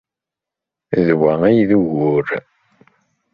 D wa ay d ugur.